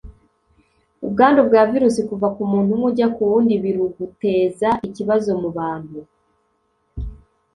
ubwandu bwa virusi kuva ku muntu umwe ijya ku wundi biruguteza ikibazo mu bantu